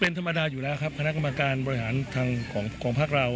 เป็นธรรมดาอยู่แล้วครับคณะกรรมการบริหารทางของภาคเรา